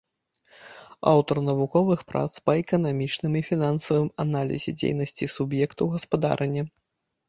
Аўтар навуковых прац па эканамічным і фінансавым аналізе дзейнасці суб'ектаў гаспадарання.